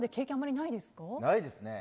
ないですね。